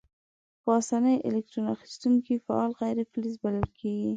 په آساني الکترون اخیستونکي فعال غیر فلز بلل کیږي.